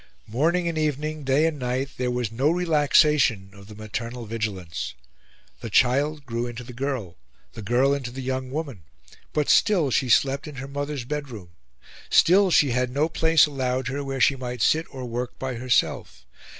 Morning and evening, day and night, there was no relaxation of the maternal vigilance. The child grew into the girl, the girl into the young woman; but still she slept in her mother's bedroom; still she had no place allowed her where she might sit or work by herself.